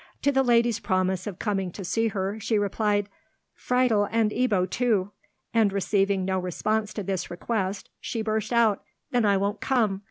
To the lady's promise of coming to see her she replied, "Friedel and Ebbo, too," and, receiving no response to this request, she burst out, "Then I won't come!